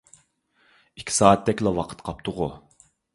ئىككى سائەتتەكلا ۋاقتى قاپتىغۇ؟